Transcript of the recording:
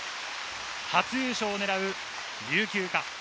初優勝をねらう琉球か。